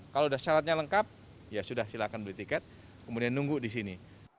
kalau sudah syaratnya lengkap ya sudah silakan beli tiket kemudian nunggu di sini